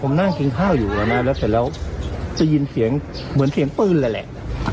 ผมนั่งกินข้าวอยู่นะแล้วเสร็จแล้วจะยินเสียงเหมือนเสียงปืนเลยแหละ